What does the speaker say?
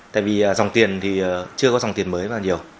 tại vì dòng tiền thì chưa có dòng tiền mới bao nhiêu